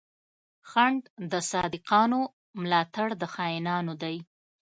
خنډ د صادقانو، ملا تړ د خاينانو دی